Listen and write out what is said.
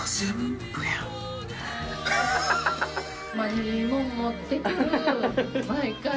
マジいいもん持ってくる毎回。